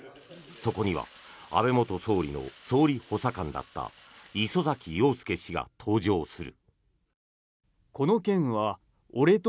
そこには安倍元総理の総理補佐官だった礒崎陽輔氏が登場する。